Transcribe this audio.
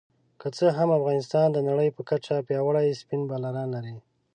که څه هم افغانستان د نړۍ په کچه پياوړي سپېن بالران لري